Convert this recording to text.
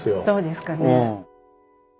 そうですかね。